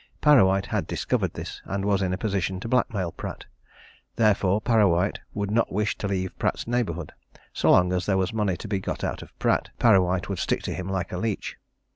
Parrawhite had discovered this, and was in a position to blackmail Pratt. Therefore Parrawhite would not wish to leave Pratt's neighbourhood so long as there was money to be got out of Pratt, Parrawhite would stick to him like a leech.